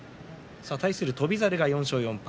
対する翔猿が４勝４敗。